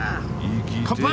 乾杯！